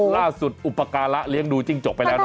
ล่าสุดอุปการะเลี้ยงดูจิ๊กจุกไปแล้วนะฮะ